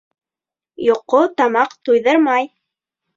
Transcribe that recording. Йоҡо тамаҡ туйҙырмай.